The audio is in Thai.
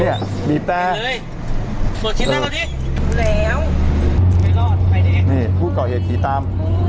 นี่ผู้ก่อเหตุสิตาม